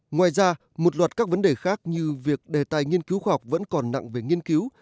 ngoài ra một loạt các vấn đề khác như việc đề tài nghiên cứu khoa học vẫn còn nặng về nghiên cứu